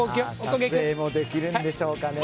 撮影もできるんでしょうかね。